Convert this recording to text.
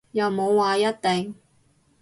又冇話一定